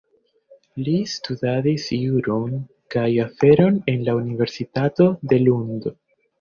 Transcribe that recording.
Li studadis juron kaj aferon en la universitato de Lund.